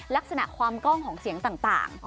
ลักษณะความกล้องของเสียงต่าง